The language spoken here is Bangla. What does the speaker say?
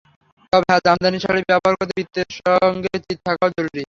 তবে হ্যাঁ, জামদানি শাড়ি ব্যবহার করতে বিত্তের সঙ্গে চিত্ত থাকাও জরুরি।